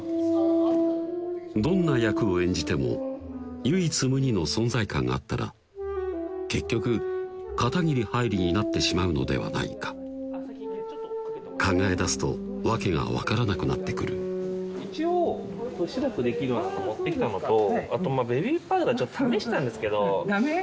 どんな役を演じても唯一無二の存在感があったら結局片桐はいりになってしまうのではないか考え出すと訳が分からなくなってくる一応白くできるようなの持ってきたのとあとべビーパウダーちょっと試したんですけどダメ？